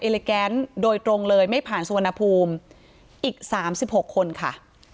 อิเลแกนต์โดยตรงเลยไม่ผ่านสวนภูมิอีก๓๖คนค่ะ